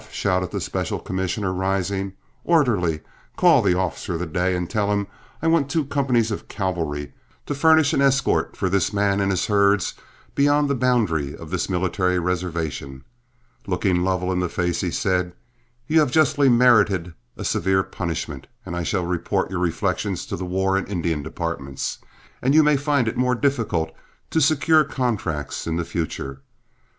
shouted the special commissioner, rising. "Orderly, call the officer of the day, and tell him I want two companies of cavalry to furnish an escort for this man and his herds beyond the boundaries of this military reservation." Looking Lovell in the face, he said: "You have justly merited a severe punishment, and I shall report your reflections to the War and Indian departments, and you may find it more difficult to secure contracts in the future.